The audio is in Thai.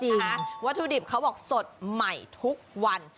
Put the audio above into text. เลิศนะฮะวัตถุดิบเขาออกสดใหม่ทุกวัน